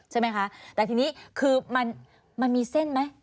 ใช่ไหมคะแต่ทีนี้คือมันมีเส้นไหม